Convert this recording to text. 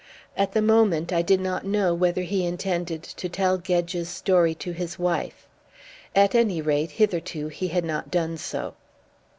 At the moment I did not know whether he intended to tell Gedge's story to his wife. At any rate, hitherto, he had not done so.